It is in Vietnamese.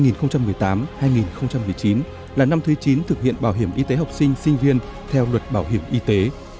năm học hai nghìn một mươi tám hai nghìn một mươi chín là năm thứ chín thực hiện bảo hiểm y tế học sinh sinh viên theo luật bảo hiểm y tế